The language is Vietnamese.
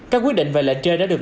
các quyết định về lệnh chơi đã được